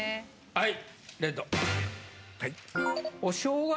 はい。